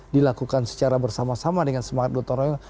dilakukan secara bersama sama dengan semangat gotong royong